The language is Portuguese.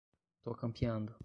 Tô campeando